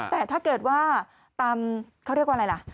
แต่ถ้าเกิดว่าตามเขาเรียกว่าอะไรล่ะ